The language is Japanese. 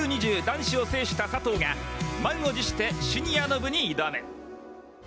男子を制した佐藤が満を持してシニアの部に挑む。